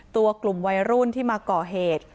ตัวกลุ่มวัยรุ่นที่มาก่อเหตุ